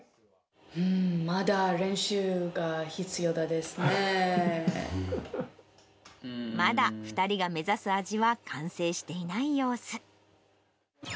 うーん、まだ２人が目指す味は完成していない様子。